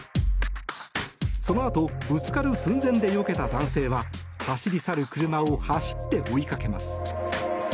そのあとぶつかる寸前でよけた男性は走り去る車を走って追いかけます。